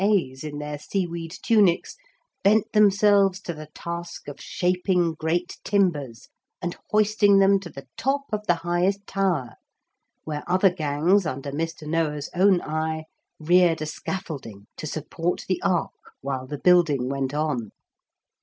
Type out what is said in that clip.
A.'s in their seaweed tunics bent themselves to the task of shaping great timbers and hoisting them to the top of the highest tower, where other gangs, under Mr. Noah's own eye, reared a scaffolding to support the ark while the building went on.